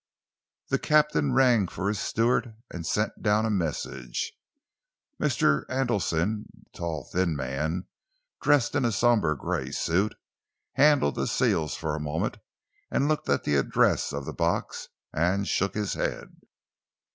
The captain rang for his steward and sent down a message. Mr. Andelsen a tall, thin man, dressed in a sombre grey suit handled the seals for a moment, looked at the address of the box, and shook his head.